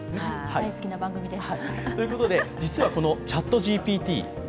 大好きな番組です。